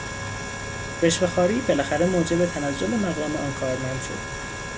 رشوهخواری بالاخره موجب تنزل مقام آن کارمند شد.